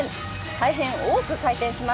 大変多く回転しました。